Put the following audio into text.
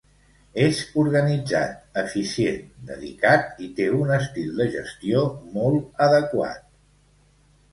És organitzat, eficient, dedicat i té un estil de gestió molt adequat.